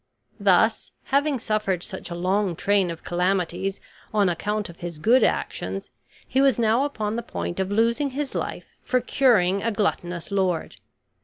Thus, having suffered such a long train of calamities on account of his good actions, he was now upon the point of losing his life for curing a gluttonous lord.